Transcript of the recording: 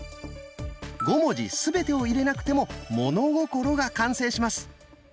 ５文字すべてを入れなくても「物心」が完成します。